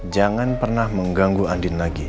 jangan pernah mengganggu andin lagi